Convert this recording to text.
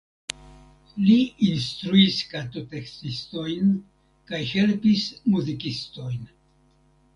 Li instruis kantotekstistojn kaj helpis muzikistojn.